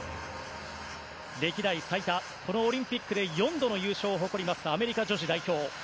歴代最多、このオリンピックで４度の優勝を誇りますアメリカ女子代表。